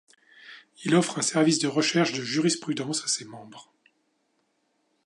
Il offre un service de recherche de jurisprudence à ses membres.